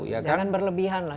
jangan berlebihan lah